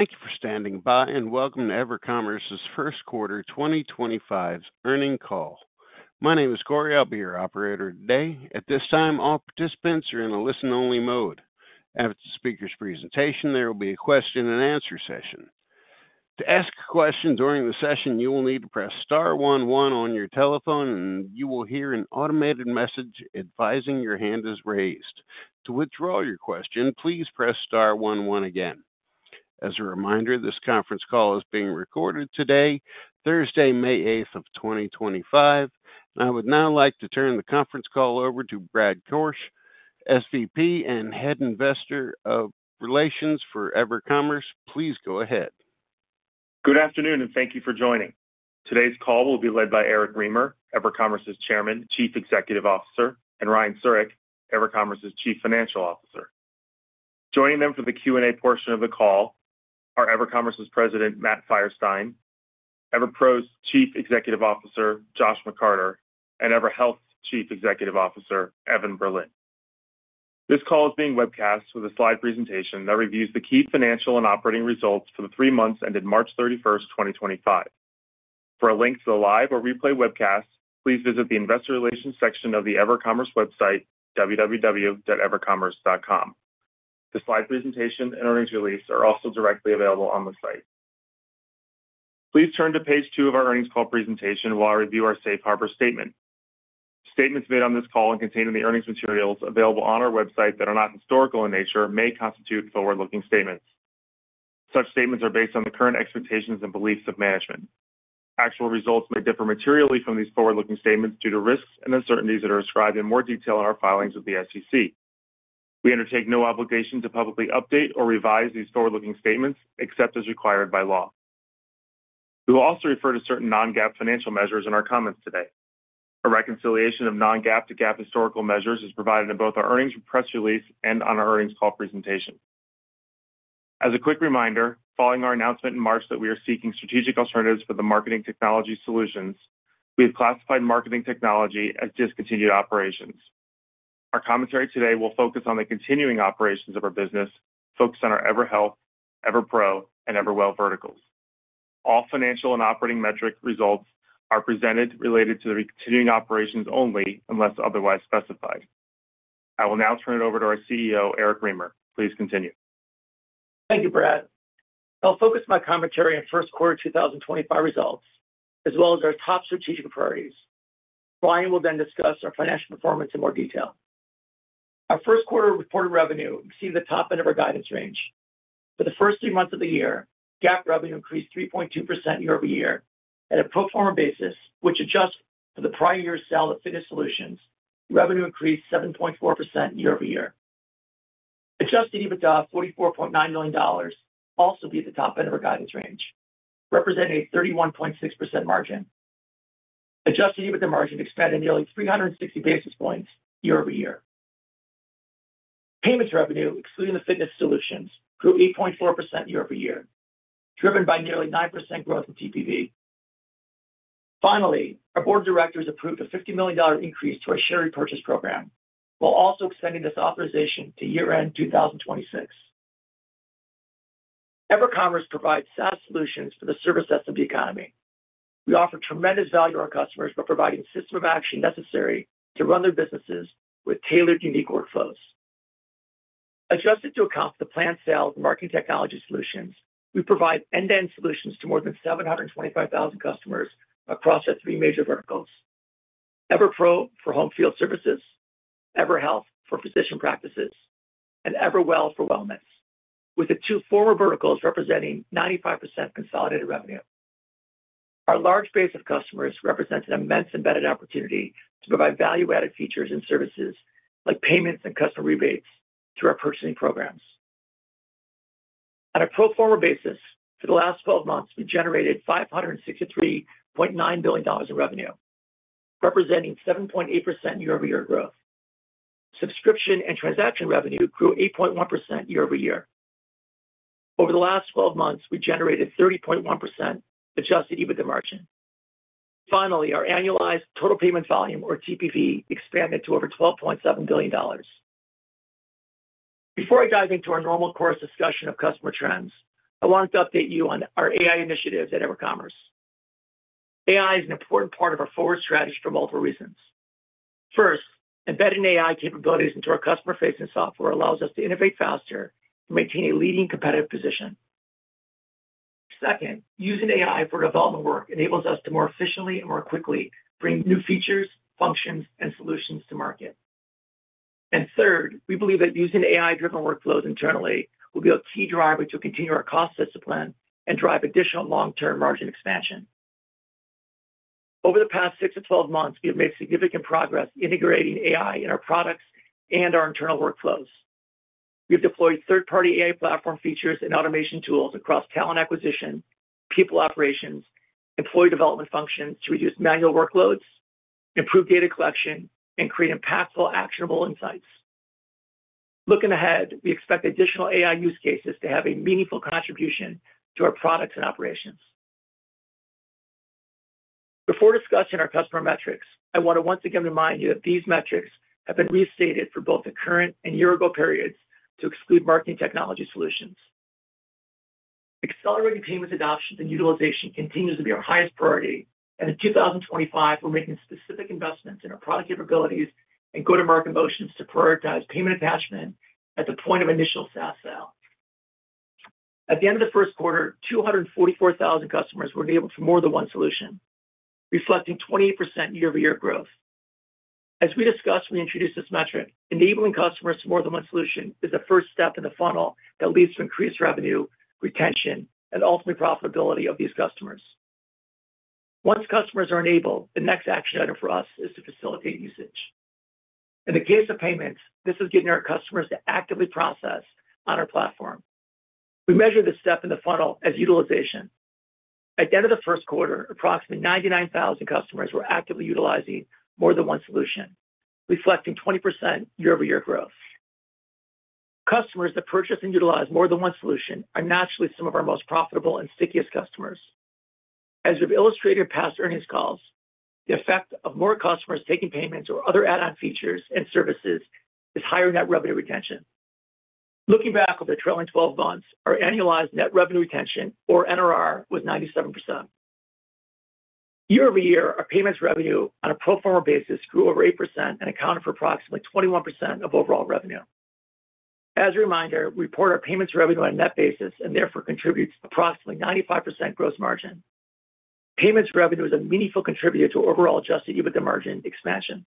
Thank you for standing by, and welcome to EverCommerce's first quarter 2025 earnings call. My name is Corey. I'll be your operator today. At this time, all participants are in a listen-only mode. After the speaker's presentation, there will be a question-and-answer session. To ask a question during the session, you will need to press star 11 on your telephone, and you will hear an automated message advising your hand is raised. To withdraw your question, please press star 11 again. As a reminder, this conference call is being recorded today, Thursday, May 8 of 2025. I would now like to turn the conference call over to Brad Korch, SVP and Head of Investor Relations for EverCommerce. Please go ahead. Good afternoon, and thank you for joining. Today's call will be led by Eric Remer, EverCommerce's Chairman, Chief Executive Officer, and Ryan Siurek, EverCommerce's Chief Financial Officer. Joining them for the Q&A portion of the call are EverCommerce's President, Matt Feierstein, EverPro's Chief Executive Officer, Josh McCarter, and EverHealth's Chief Executive Officer, Evan Berlin. This call is being webcast with a slide presentation that reviews the key financial and operating results for the three months ended March 31, 2025. For a link to the live or replay webcast, please visit the Investor Relations section of the EverCommerce website, www.evercommerce.com. The slide presentation and earnings release are also directly available on the site. Please turn to page two of our earnings call presentation while I review our Safe Harbor Statement. Statements made on this call and contained in the earnings materials available on our website that are not historical in nature may constitute forward-looking statements. Such statements are based on the current expectations and beliefs of management. Actual results may differ materially from these forward-looking statements due to risks and uncertainties that are described in more detail in our filings with the SEC. We undertake no obligation to publicly update or revise these forward-looking statements except as required by law. We will also refer to certain non-GAAP financial measures in our comments today. A reconciliation of non-GAAP to GAAP historical measures is provided in both our earnings and press release and on our earnings call presentation. As a quick reminder, following our announcement in March that we are seeking strategic alternatives for the Marketing Technology Solutions, we have classified Marketing Technology as discontinued operations. Our commentary today will focus on the continuing operations of our business, focused on our EverHealth, EverPro, and Everwell verticals. All financial and operating metric results are presented related to the continuing operations only unless otherwise specified. I will now turn it over to our CEO, Eric Remer. Please continue. Thank you, Brad. I'll focus my commentary on first quarter 2025 results, as well as our top strategic priorities. Ryan will then discuss our financial performance in more detail. Our first quarter reported revenue exceeded the top end of our guidance range. For the first three months of the year, GAAP revenue increased 3.2% year over year. At a pro forma basis, which adjusts for the prior year's sale of Fitness Solutions, revenue increased 7.4% year over year. Adjusted EBITDA of $44.9 million also beat the top end of our guidance range, representing a 31.6% margin. Adjusted EBITDA margin expanded nearly 360 basis points year over year. Payments revenue, excluding the Fitness Solutions, grew 8.4% year over year, driven by nearly 9% growth in TPV. Finally, our board of directors approved a $50 million increase to our share repurchase program, while also extending this authorization to year-end 2026. EverCommerce provides SaaS solutions for the service SMB economy. We offer tremendous value to our customers by providing the system of action necessary to run their businesses with tailored, unique workflows. Adjusted to account for the planned sale of Marketing Technology Solutions, we provide end-to-end solutions to more than 725,000 customers across our three major verticals: EverPro for home field services, EverHealth for physician practices, and Everwell for wellness, with the two former verticals representing 95% consolidated revenue. Our large base of customers represents an immense embedded opportunity to provide value-added features and services like payments and customer rebates through our purchasing programs. On a pro forma basis, for the last 12 months, we generated $563.9 million in revenue, representing 7.8% year-over-year growth. Subscription and transaction revenue grew 8.1% year-over-year. Over the last 12 months, we generated 30.1% adjusted EBITDA margin. Finally, our annualized total payment volume, or TPV, expanded to over $12.7 billion. Before I dive into our normal course discussion of customer trends, I wanted to update you on our AI initiatives at EverCommerce. AI is an important part of our forward strategy for multiple reasons. First, embedding AI capabilities into our customer-facing software allows us to innovate faster and maintain a leading competitive position. Second, using AI for development work enables us to more efficiently and more quickly bring new features, functions, and solutions to market. Third, we believe that using AI-driven workflows internally will be a key driver to continue our cost discipline and drive additional long-term margin expansion. Over the past six to 12 months, we have made significant progress integrating AI in our products and our internal workflows. We have deployed third-party AI platform features and automation tools across talent acquisition, people operations, employee development functions to reduce manual workloads, improve data collection, and create impactful, actionable insights. Looking ahead, we expect additional AI use cases to have a meaningful contribution to our products and operations. Before discussing our customer metrics, I want to once again remind you that these metrics have been restated for both the current and year-ago periods to exclude marketing technology solutions. Accelerating payments adoption and utilization continues to be our highest priority, and in 2025, we're making specific investments in our product capabilities and go-to-market motions to prioritize payment attachment at the point of initial SaaS sale. At the end of the first quarter, 244,000 customers were enabled for more than one solution, reflecting 28% year-over-year growth. As we discussed when we introduced this metric, enabling customers to more than one solution is the first step in the funnel that leads to increased revenue, retention, and ultimately profitability of these customers. Once customers are enabled, the next action item for us is to facilitate usage. In the case of payments, this is getting our customers to actively process on our platform. We measure this step in the funnel as utilization. At the end of the first quarter, approximately 99,000 customers were actively utilizing more than one solution, reflecting 20% year-over-year growth. Customers that purchase and utilize more than one solution are naturally some of our most profitable and stickiest customers. As we've illustrated in past earnings calls, the effect of more customers taking payments or other add-on features and services is higher net revenue retention. Looking back over the trailing 12 months, our annualized net revenue retention, or NRR, was 97%. Year over year, our payments revenue on a pro forma basis grew over 8% and accounted for approximately 21% of overall revenue. As a reminder, we report our payments revenue on a net basis and therefore contributes approximately 95% gross margin. Payments revenue is a meaningful contributor to overall adjusted EBITDA margin expansion.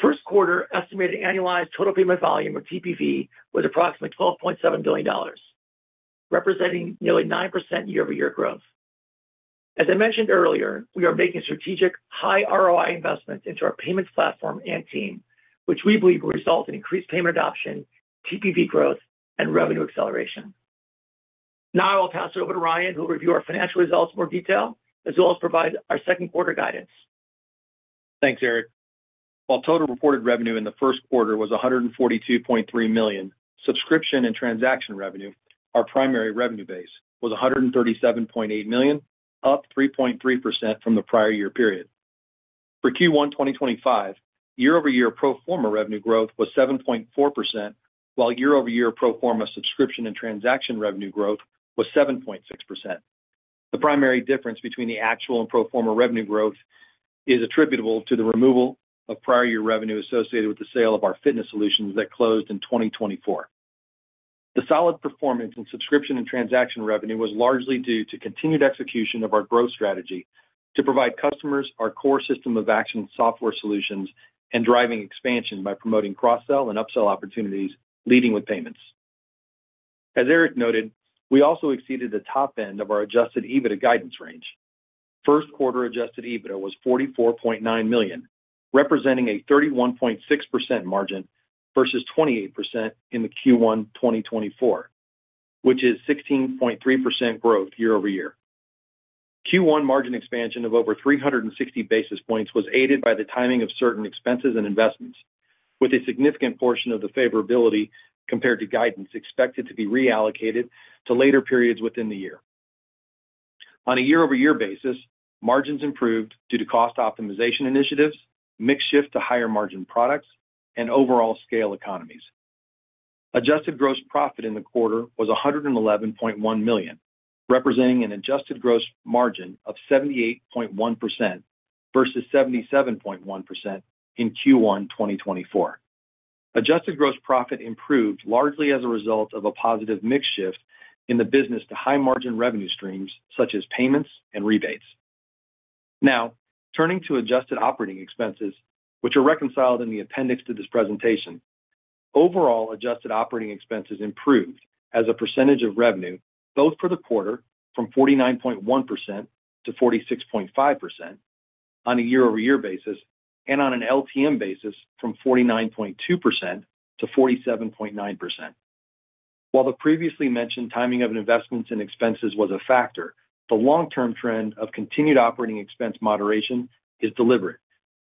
First quarter estimated annualized total payment volume, or TPV, was approximately $12.7 billion, representing nearly 9% year-over-year growth. As I mentioned earlier, we are making strategic high ROI investments into our payments platform and team, which we believe will result in increased payment adoption, TPV growth, and revenue acceleration. Now I will pass it over to Ryan, who will review our financial results in more detail, as well as provide our second quarter guidance. Thanks, Eric. While total reported revenue in the first quarter was $142.3 million, subscription and transaction revenue, our primary revenue base, was $137.8 million, up 3.3% from the prior year period. For Q1 2025, year-over-year pro forma revenue growth was 7.4%, while year-over-year pro forma subscription and transaction revenue growth was 7.6%. The primary difference between the actual and pro forma revenue growth is attributable to the removal of prior year revenue associated with the sale of our Fitness Solutions that closed in 2024. The solid performance in subscription and transaction revenue was largely due to continued execution of our growth strategy to provide customers our core system of action software solutions and driving expansion by promoting cross-sell and upsell opportunities leading with payments. As Eric noted, we also exceeded the top end of our adjusted EBITDA guidance range. First quarter adjusted EBITDA was $44.9 million, representing a 31.6% margin versus 28% in Q1 2024, which is 16.3% growth year over year. Q1 margin expansion of over 360 basis points was aided by the timing of certain expenses and investments, with a significant portion of the favorability compared to guidance expected to be reallocated to later periods within the year. On a year-over-year basis, margins improved due to cost optimization initiatives, makeshift to higher margin products, and overall scale economies. Adjusted gross profit in the quarter was $111.1 million, representing an adjusted gross margin of 78.1% versus 77.1% in Q1 2024. Adjusted gross profit improved largely as a result of a positive makeshift in the business to high margin revenue streams such as payments and rebates. Now, turning to adjusted operating expenses, which are reconciled in the appendix to this presentation, overall adjusted operating expenses improved as a percentage of revenue both for the quarter from 49.1% to 46.5% on a year-over-year basis and on an LTM basis from 49.2% to 47.9%. While the previously mentioned timing of investments and expenses was a factor, the long-term trend of continued operating expense moderation is deliberate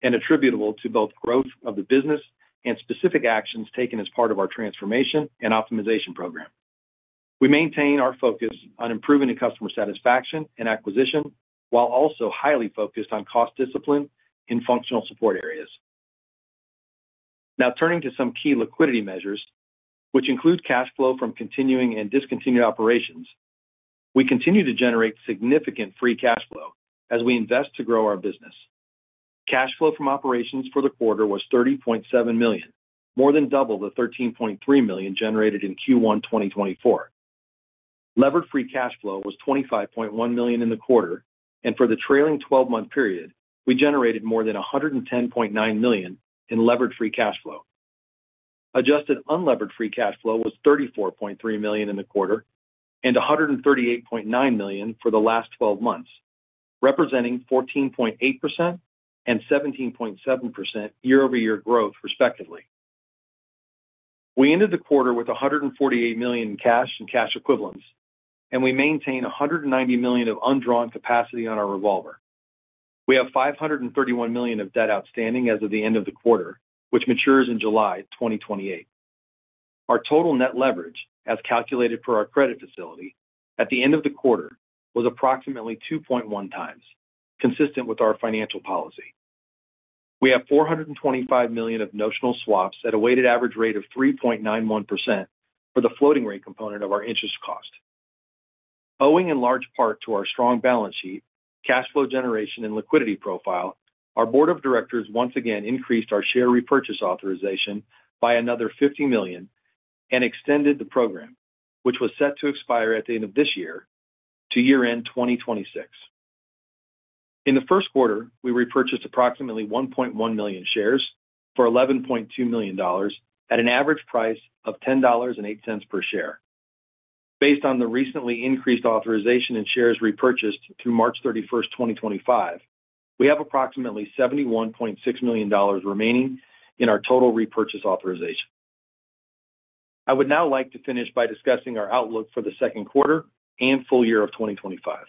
and attributable to both growth of the business and specific actions taken as part of our transformation and optimization program. We maintain our focus on improving customer satisfaction and acquisition while also highly focused on cost discipline in functional support areas. Now, turning to some key liquidity measures, which include cash flow from continuing and discontinued operations, we continue to generate significant free cash flow as we invest to grow our business. Cash flow from operations for the quarter was $30.7 million, more than double the $13.3 million generated in Q1 2024. Levered free cash flow was $25.1 million in the quarter, and for the trailing 12-month period, we generated more than $110.9 million in levered free cash flow. Adjusted unlevered free cash flow was $34.3 million in the quarter and $138.9 million for the last 12 months, representing 14.8% and 17.7% year-over-year growth respectively. We ended the quarter with $148 million in cash and cash equivalents, and we maintain $190 million of undrawn capacity on our revolver. We have $531 million of debt outstanding as of the end of the quarter, which matures in July 2028. Our total net leverage, as calculated for our credit facility, at the end of the quarter was approximately 2.1 times, consistent with our financial policy. We have $425 million of notional swaps at a weighted average rate of 3.91% for the floating rate component of our interest cost. Owing in large part to our strong balance sheet, cash flow generation, and liquidity profile, our board of directors once again increased our share repurchase authorization by another $50 million and extended the program, which was set to expire at the end of this year to year-end 2026. In the first quarter, we repurchased approximately 1.1 million shares for $11.2 million at an average price of $10.08 per share. Based on the recently increased authorization and shares repurchased through March 31, 2025, we have approximately $71.6 million remaining in our total repurchase authorization. I would now like to finish by discussing our outlook for the second quarter and full year of 2025.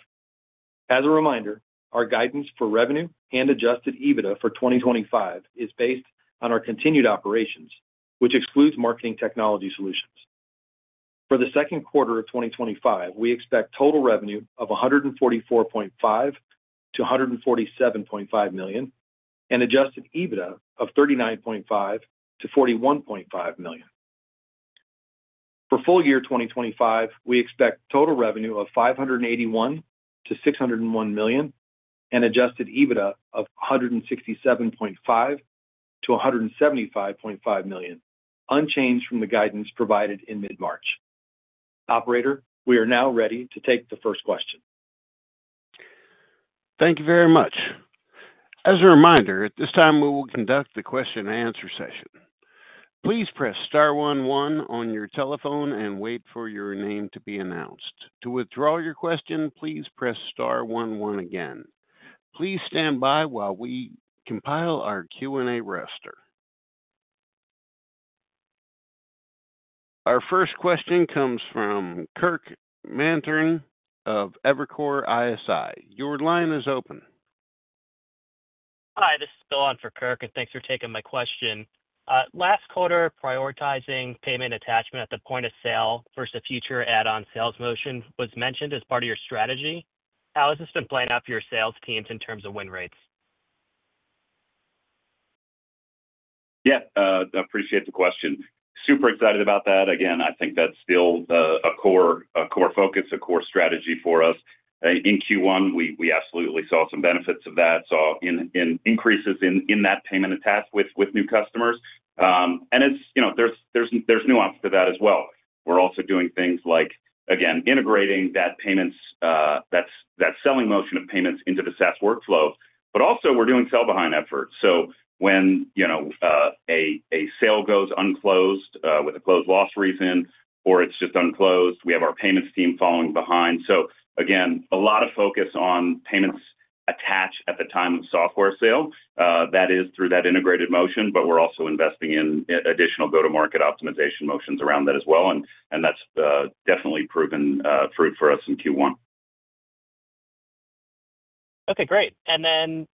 As a reminder, our guidance for revenue and adjusted EBITDA for 2025 is based on our continued operations, which excludes Marketing Technology Solutions. For the second quarter of 2025, we expect total revenue of $144.5-$147.5 million and adjusted EBITDA of $39.5-$41.5 million. For full year 2025, we expect total revenue of $581-$601 million and adjusted EBITDA of $167.5-$175.5 million, unchanged from the guidance provided in mid-March. Operator, we are now ready to take the first question. Thank you very much. As a reminder, at this time, we will conduct the question-and-answer session. Please press star 11 on your telephone and wait for your name to be announced. To withdraw your question, please press star 11 again. Please stand by while we compile our Q&A roster. Our first question comes from Kirk Materne of Evercore ISI. Your line is open. Hi, this is Bill on for Kirk, and thanks for taking my question. Last quarter, prioritizing payment attachment at the point of sale versus a future add-on sales motion was mentioned as part of your strategy. How has this been playing out for your sales teams in terms of win rates? Yeah, I appreciate the question. Super excited about that. Again, I think that's still a core focus, a core strategy for us. In Q1, we absolutely saw some benefits of that, saw increases in that payment attachment with new customers. There's nuance to that as well. We're also doing things like, again, integrating that selling motion of payments into the SaaS workflow, but also we're doing sell-behind efforts. When a sale goes unclosed with a closed loss reason or it's just unclosed, we have our payments team following behind. Again, a lot of focus on payments attach at the time of software sale. That is through that integrated motion, but we're also investing in additional go-to-market optimization motions around that as well. That's definitely proven fruit for us in Q1. Okay, great. Then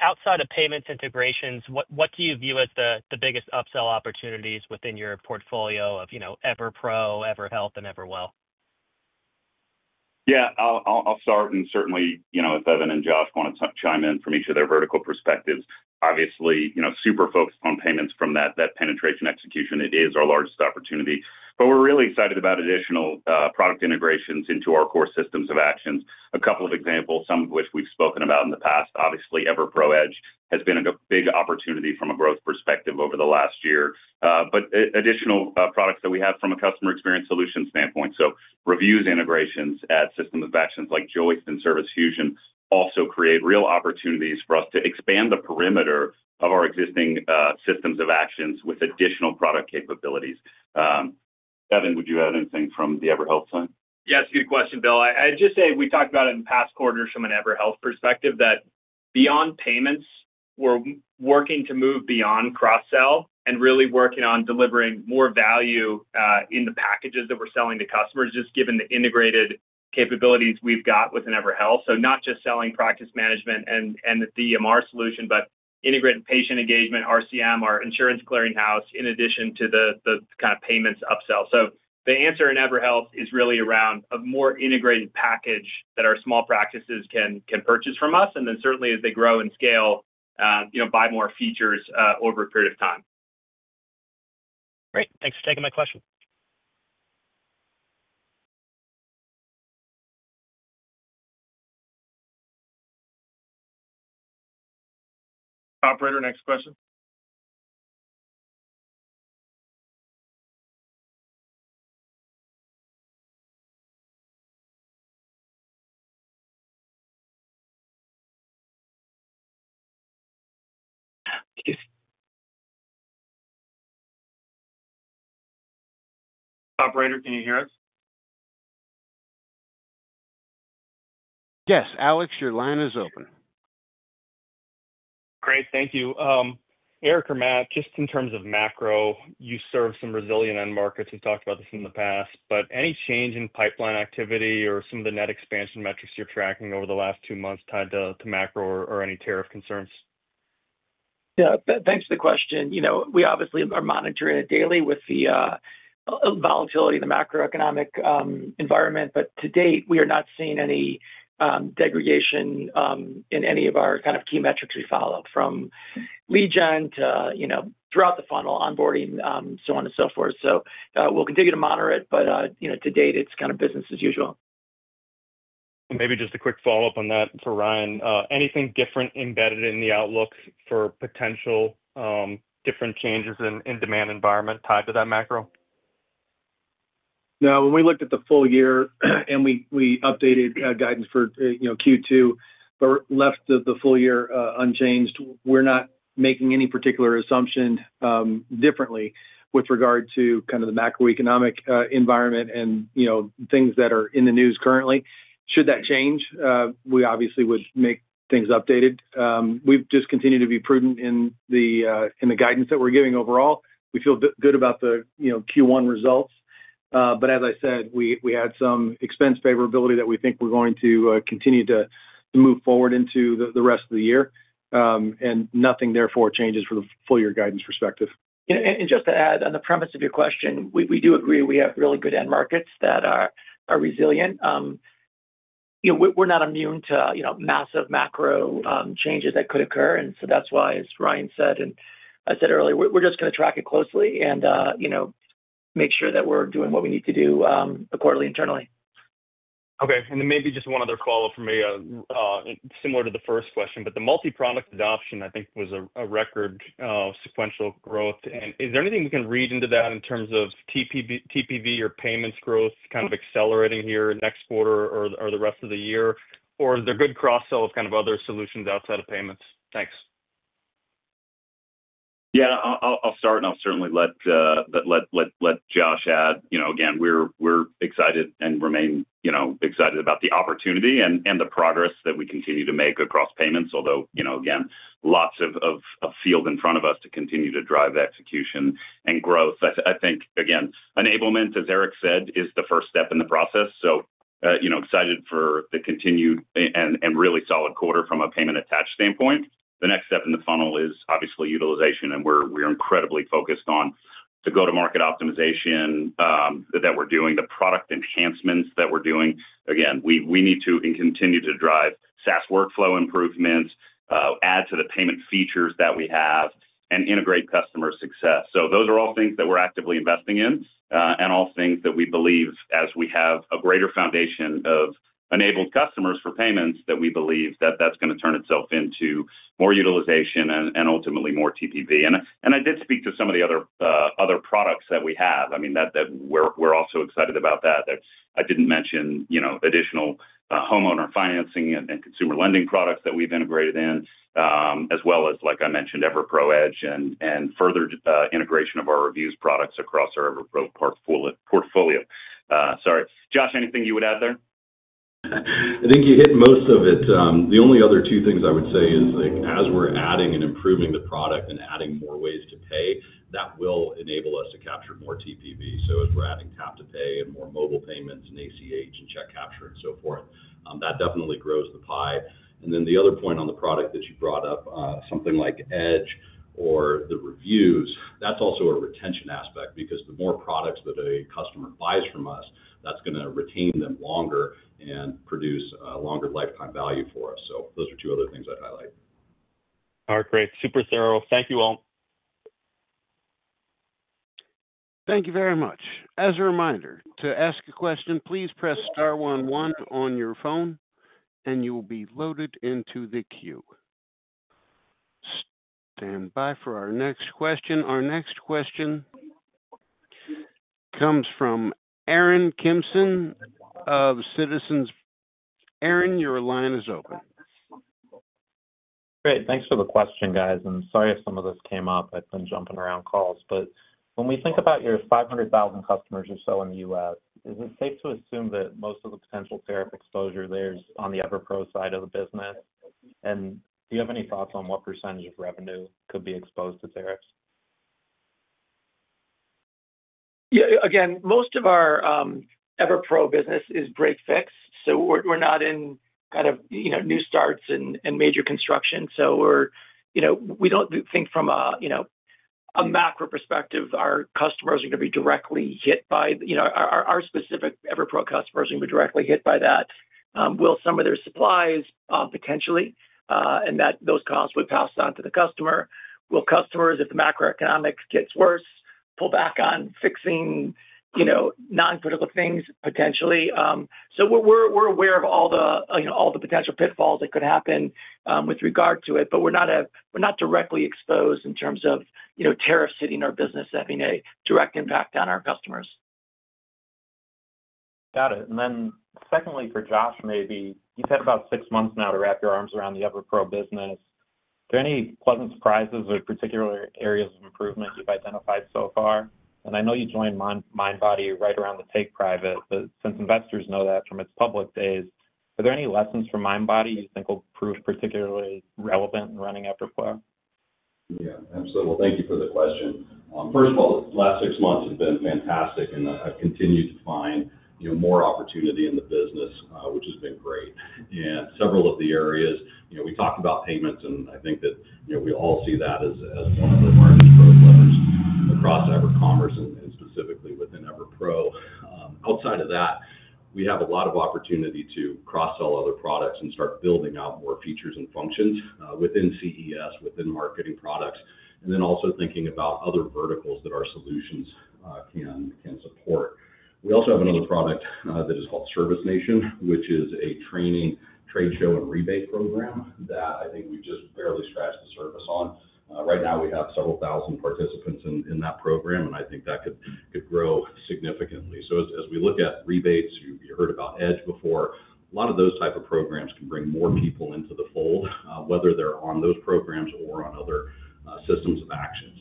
outside of payments integrations, what do you view as the biggest upsell opportunities within your portfolio of EverPro, EverHealth, and Everwell? Yeah, I'll start, and certainly if Evan and Josh want to chime in from each of their vertical perspectives, obviously super focused on payments from that penetration execution. It is our largest opportunity, but we're really excited about additional product integrations into our core systems of actions. A couple of examples, some of which we've spoken about in the past, obviously EverPro Edge has been a big opportunity from a growth perspective over the last year, but additional products that we have from a customer experience solution standpoint. Reviews integrations at systems of actions like Joist and Service Fusion also create real opportunities for us to expand the perimeter of our existing systems of actions with additional product capabilities. Evan, would you add anything from the EverHealth side? Yes, good question, Bill. I'd just say we talked about it in the past quarter from an EverHealth perspective that beyond payments, we're working to move beyond cross-sell and really working on delivering more value in the packages that we're selling to customers, just given the integrated capabilities we've got within EverHealth. Not just selling practice management and the EMR solution, but integrated patient engagement, RCM, our Insurance Clearing House, in addition to the kind of payments upsell. The answer in EverHealth is really around a more integrated package that our small practices can purchase from us, and then certainly as they grow and scale, buy more features over a period of time. Great. Thanks for taking my question. Operator, next question. Operator, can you hear us? Yes, Alex, your line is open. Great, thank you. Eric or Matt, just in terms of macro, you serve some resilience in markets. We've talked about this in the past, but any change in pipeline activity or some of the net expansion metrics you're tracking over the last two months tied to macro or any tariff concerns? Yeah, thanks for the question. We obviously are monitoring it daily with the volatility in the macroeconomic environment, but to date, we are not seeing any degradation in any of our kind of key metrics we follow from lead gen to throughout the funnel, onboarding, so on and so forth. We will continue to monitor it, but to date, it's kind of business as usual. Maybe just a quick follow-up on that for Ryan. Anything different embedded in the outlook for potential different changes in demand environment tied to that macro? No, when we looked at the full year and we updated guidance for Q2, but left the full year unchanged, we're not making any particular assumption differently with regard to kind of the macroeconomic environment and things that are in the news currently. Should that change, we obviously would make things updated. We've just continued to be prudent in the guidance that we're giving overall. We feel good about the Q1 results, but as I said, we had some expense favorability that we think we're going to continue to move forward into the rest of the year, and nothing therefore changes from the full-year guidance perspective. Just to add, on the premise of your question, we do agree we have really good end markets that are resilient. We're not immune to massive macro changes that could occur, and so that's why, as Ryan said and I said earlier, we're just going to track it closely and make sure that we're doing what we need to do accordingly internally. Okay. Maybe just one other follow-up for me, similar to the first question, but the multi-product adoption, I think, was a record sequential growth. Is there anything we can read into that in terms of TPV or payments growth kind of accelerating here next quarter or the rest of the year, or is there good cross-sell of kind of other solutions outside of payments? Thanks. Yeah, I'll start, and I'll certainly let Josh add. Again, we're excited and remain excited about the opportunity and the progress that we continue to make across payments, although, again, lots of field in front of us to continue to drive execution and growth. I think, again, enablement, as Eric said, is the first step in the process. Excited for the continued and really solid quarter from a payment attach standpoint. The next step in the funnel is obviously utilization, and we're incredibly focused on the go-to-market optimization that we're doing, the product enhancements that we're doing. Again, we need to continue to drive SaaS workflow improvements, add to the payment features that we have, and integrate customer success. Those are all things that we're actively investing in and all things that we believe, as we have a greater foundation of enabled customers for payments, that we believe that's going to turn itself into more utilization and ultimately more TPV. I did speak to some of the other products that we have. I mean, we're also excited about that. I didn't mention additional homeowner financing and consumer lending products that we've integrated in, as well as, like I mentioned, EverPro Edge and further integration of our reviews products across our EverPro portfolio. Sorry. Josh, anything you would add there? I think you hit most of it. The only other two things I would say is, as we're adding and improving the product and adding more ways to pay, that will enable us to capture more TPV. As we're adding tap-to-pay and more mobile payments and ACH and check capture and so forth, that definitely grows the pie. The other point on the product that you brought up, something like Edge or the reviews, that's also a retention aspect because the more products that a customer buys from us, that's going to retain them longer and produce a longer lifetime value for us. Those are two other things I'd highlight. All right, great. Super thorough. Thank you all. Thank you very much. As a reminder, to ask a question, please press star 11 on your phone, and you will be loaded into the queue. Stand by for our next question. Our next question comes from Aaron Kimson of Citizens. Aaron, your line is open. Great. Thanks for the question, guys. I'm sorry if some of this came up. I've been jumping around calls. When we think about your 500,000 customers or so in the U.S., is it safe to assume that most of the potential tariff exposure there is on the EverPro side of the business? Do you have any thoughts on what percentage of revenue could be exposed to tariffs? Yeah. Again, most of our EverPro business is break fix. So we're not in kind of new starts and major construction. We don't think from a macro perspective, our customers are going to be directly hit by our specific EverPro customers are going to be directly hit by that. Will some of their supplies potentially and that those costs would pass on to the customer? Will customers, if the macroeconomic gets worse, pull back on fixing non-critical things potentially? We're aware of all the potential pitfalls that could happen with regard to it, but we're not directly exposed in terms of tariffs hitting our business, having a direct impact on our customers. Got it. Secondly, for Josh, maybe you've had about six months now to wrap your arms around the EverPro business. Are there any pleasant surprises or particular areas of improvement you've identified so far? I know you joined Mindbody right around the take private, but since investors know that from its public days, are there any lessons from Mindbody you think will prove particularly relevant in running EverPro? Yeah, absolutely. Thank you for the question. First of all, the last six months have been fantastic, and I've continued to find more opportunity in the business, which has been great. Several of the areas we talked about payments, and I think that we all see that as one of our largest growth levers across EverCommerce and specifically within EverPro. Outside of that, we have a lot of opportunity to cross-sell other products and start building out more features and functions within CES, within marketing products, and also thinking about other verticals that our solutions can support. We also have another product that is called Service Nation, which is a training, trade show, and rebate program that I think we've just barely scratched the surface on. Right now, we have several thousand participants in that program, and I think that could grow significantly. As we look at rebates, you heard about Edge before. A lot of those types of programs can bring more people into the fold, whether they're on those programs or on other systems of action.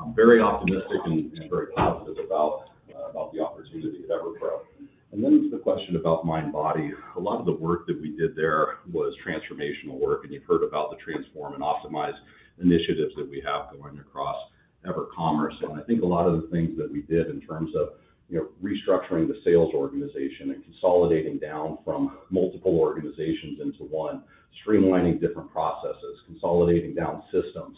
I'm very optimistic and very positive about the opportunity at EverPro. To the question about Mindbody, a lot of the work that we did there was transformational work, and you've heard about the transform and optimize initiatives that we have going across EverCommerce. I think a lot of the things that we did in terms of restructuring the sales organization and consolidating down from multiple organizations into one, streamlining different processes, consolidating down systems,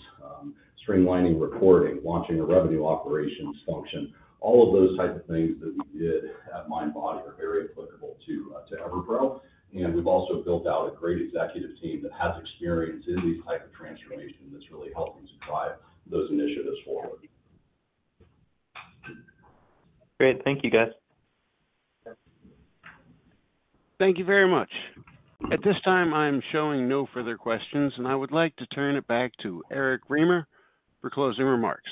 streamlining reporting, launching a revenue operations function, all of those types of things that we did at Mindbody are very applicable to EverPro. We have also built out a great executive team that has experience in these types of transformation that is really helping to drive those initiatives forward. Great. Thank you, guys. Thank you very much. At this time, I'm showing no further questions, and I would like to turn it back to Eric Remer for closing remarks.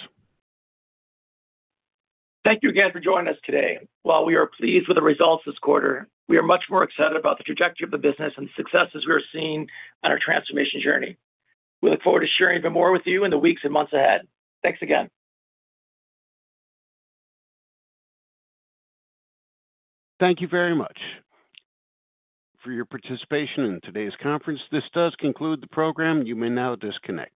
Thank you again for joining us today. While we are pleased with the results this quarter, we are much more excited about the trajectory of the business and the successes we are seeing on our transformation journey. We look forward to sharing even more with you in the weeks and months ahead. Thanks again. Thank you very much for your participation in today's conference. This does conclude the program. You may now disconnect.